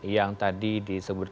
yang tadi disebutkan